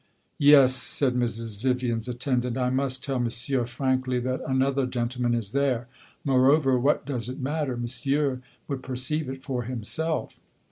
"Yes," said Mrs. Vivian's attendant, "I must tell Monsieur frankly that another gentleman is there. Moreover, what does it matter? Monsieur would perceive it for himself!"